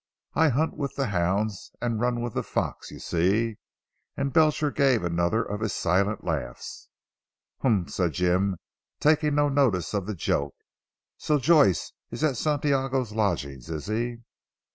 I hunt with the hounds and run with the fox you see," and Belcher gave another of his silent laughs. "Humph!" said Jim taking no notice of the joke, "so Joyce is at Santiago's lodgings is he?"